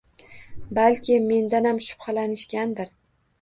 Balki, mendanam shubhalanishgandir